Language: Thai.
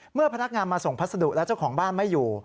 พนักงานมาส่งพัสดุแล้วเจ้าของบ้านไม่อยู่